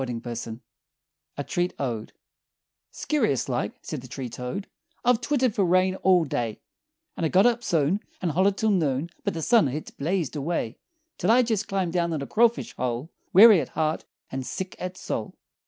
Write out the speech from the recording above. [Illustration: A Treat Ode] "Scurious like," said the treetoad, "I've twittered fer rain all day; And I got up soon, And hollered till noon But the sun hit blazed away, Till I jest clumb down in a crawfish hole Weary at heart, and sick at soul!